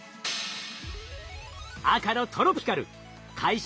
赤のトロピカル開始